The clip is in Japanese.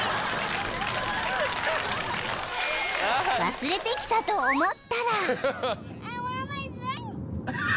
［忘れてきたと思ったら］